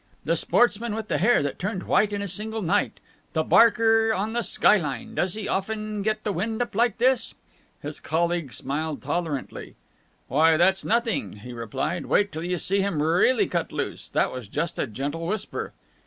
"The sportsman with the hair that turned white in a single night. The barker on the sky line. Does he often get the wind up like this?" His colleague smiled tolerantly. "Why, that's nothing!" he replied. "Wait till you see him really cut loose! That was just a gentle whisper!"